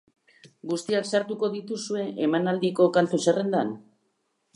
Guztiak sartuko dituzue emanaldiko kantu zerrendan?